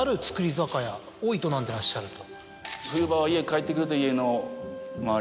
酒屋を営んでらっしゃると。